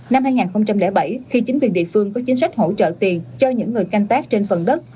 năm hai nghìn bảy khi chính quyền địa phương có chính sách hỗ trợ tiền cho những người canh tác trên phần đất